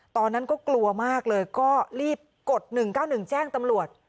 ตอนนั้นก็กลัวมากเลยก็รีบกด๑๙๑แจ้งตำรวจ